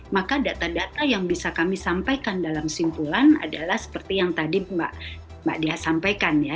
maka data data yang bisa kami sampaikan dalam simpulan adalah seperti yang tadi mbak diah sampaikan ya